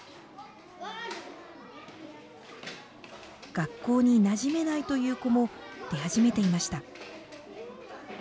学校になじめないという子も出始めていました。